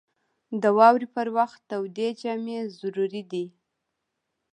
• د واورې پر وخت تودې جامې ضروري دي.